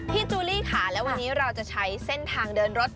จูลี่ค่ะและวันนี้เราจะใช้เส้นทางเดินรถ